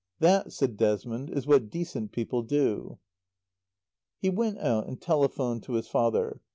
That," said Desmond, "is what decent people do." He went out and telephoned to his father.